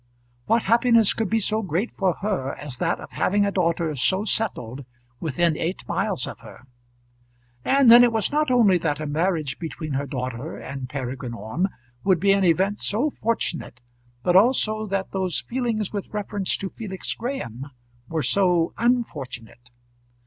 What happiness could be so great for her as that of having a daughter so settled, within eight miles of her? And then it was not only that a marriage between her daughter and Peregrine Orme would be an event so fortunate, but also that those feelings with reference to Felix Graham were so unfortunate!